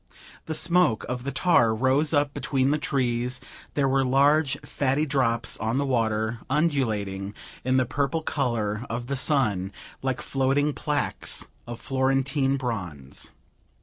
The smoke of the tar rose up between the trees; there were large fatty drops on the water, undulating in the purple colour of the sun, like floating plaques of Florentine bronze.